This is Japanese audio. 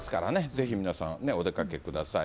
ぜひ皆さん、お出かけください。